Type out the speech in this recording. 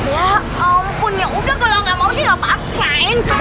ya ampun yaudah kalo gak mau sih gak apa apa